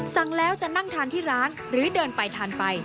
สั่งแล้วจะนั่งทานที่ร้านหรือเดินไปทานไป